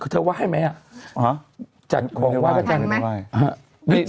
เธอว่าให้ไหมจัดกวงว่ายพระจันทร์ไหม